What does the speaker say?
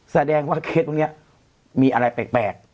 แสดงว่าเคสพวกนี้มีอะไรแปลก